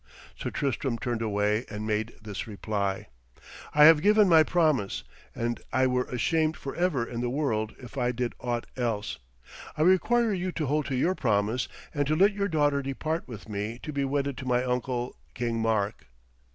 Sir Tristram turned away, and made this reply: 'I have given my promise, and I were ashamed for ever in the world if I did aught else. I require you to hold to your promise, and to let your daughter depart with me to be wedded to my uncle, King Mark.'